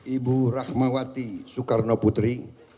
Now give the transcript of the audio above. ibu rahmawati soekarno putri